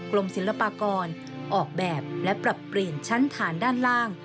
ศิลปากรออกแบบและปรับเปลี่ยนชั้นฐานด้านล่าง